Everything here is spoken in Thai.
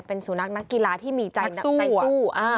เป็นสุนัขนักกีฬาที่มีใจสู้